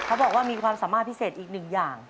เขาบอกว่ามีความสามารถพิเศษอีกหนึ่งอย่าง